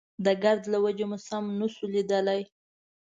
د ګرد له وجې مو سم نه شو ليدلی.